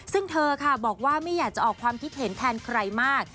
ซึ่งเธอค่ะบอกว่าไม่อยากจะออกความคิดเห็นแทนใครมาก